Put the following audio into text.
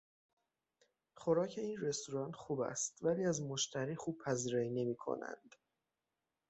خوراک این رستوران خوب است ولی از مشتری خوب پذیرایی نمیکنند.